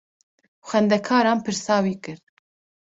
Xwendekaran pirsa wî kir.